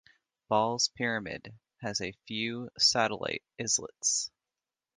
Ball's Pyramid has a few satellite islets.